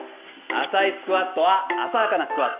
浅いスクワットは浅はかなスクワット。